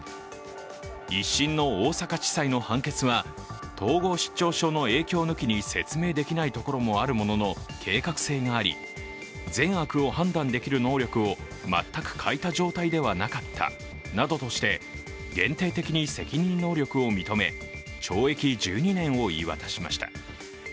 １審の大阪地裁の判決は統合失調症の影響抜きに説明できないところもあるものの計画性があり善悪を判断できる能力を全く欠いた状態ではなかったなどとして限定的に責任能力を認め懲役１２年を言い渡しました。